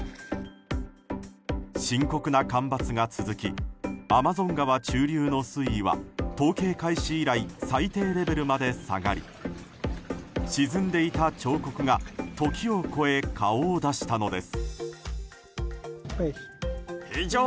深刻な干ばつが続きアマゾン川中流の水位は統計開始以来最低レベルまで下がり沈んでいた彫刻が時を越え、顔を出したのです。